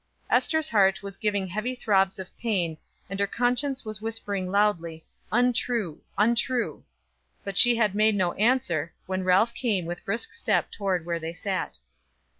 Ester's heart was giving heavy throbs of pain, and her conscience was whispering loudly, "untrue," "untrue;" but she had made no answer, when Ralph came with brisk step toward where they sat.